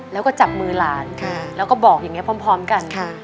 แล้วก็จับมือหลานแล้วก็บอกอย่างนี้พร้อมกัน